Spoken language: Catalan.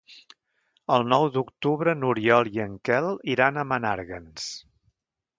El nou d'octubre n'Oriol i en Quel iran a Menàrguens.